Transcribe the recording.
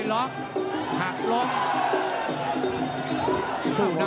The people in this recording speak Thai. ลุ้นกัน